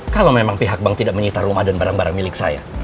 kalau memang pihak bank tidak menyita rumah dan barang barang milik saya